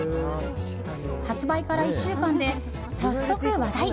発売から１週間で早速話題。